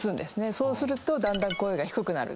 そうするとだんだん声が低くなる。